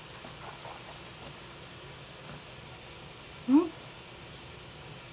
うん？